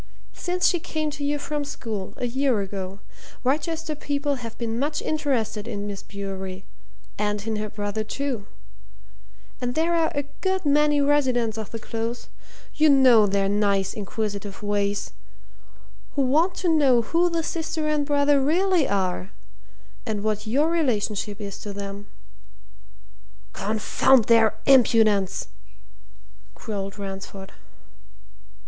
Since she came to you from school, a year ago, Wrychester people have been much interested in Miss Bewery, and in her brother, too. And there are a good many residents of the Close you know their nice, inquisitive ways! who want to know who the sister and brother really are and what your relationship is to them!" "Confound their impudence!" growled Ransford.